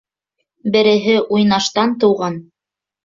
Береһе уйнаштан тыуған.